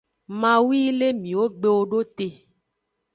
Mawu yi le miwogbewo do te.